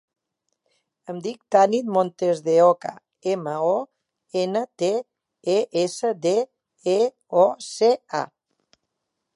Em dic Tanit Montesdeoca: ema, o, ena, te, e, essa, de, e, o, ce, a.